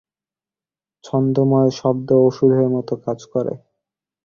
ছন্দময় শব্দ ওষুধের মতো কাজ করে।